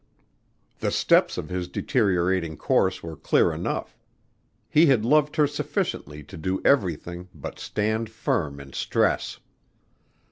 The steps of his deteriorating course were clear enough. He had loved her sufficiently to do everything but stand firm in stress.